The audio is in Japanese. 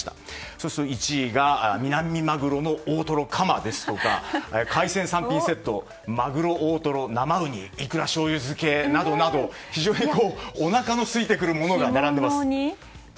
そうすると１位が南マグロ大トロカマですとか海鮮３品セット、マグロ・ウニイクラ醤油漬けなどなど非常におなかのすいてくるものが並んでいますね。